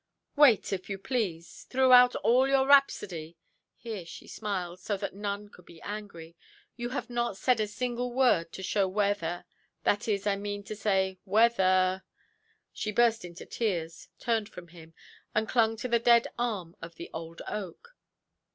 "Wait, if you please. Throughout all your rhapsody" (here she smiled so that none could be angry) "you have not said a single word to show whether—that is—I mean to say whether——" She burst into tears, turned from him, and clung to the dead arm of the old oak.